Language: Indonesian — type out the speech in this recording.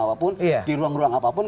apapun di ruang ruang apapun